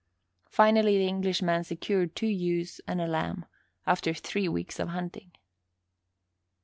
Finally the Englishman secured two ewes and a lamb, after three weeks of hunting.